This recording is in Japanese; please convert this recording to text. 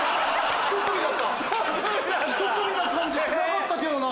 １組な感じしなかったけどな！